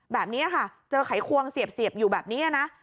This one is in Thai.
แบบนี้ค่ะเจอไขควงเสียบอยู่แบบนี้นะ